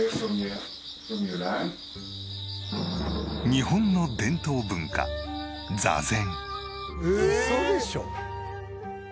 日本の伝統文化座禅。